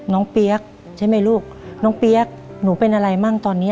เปี๊ยกใช่ไหมลูกน้องเปี๊ยกหนูเป็นอะไรมั่งตอนนี้